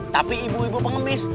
tapi ibu ibu pengemis